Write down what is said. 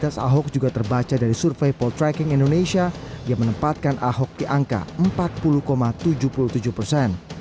ahok juga terbaca dari survei poltreking indonesia yang menempatkan ahok di angka empat puluh tujuh puluh tujuh persen